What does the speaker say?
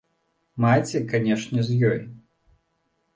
Маці, канешне, з ёй.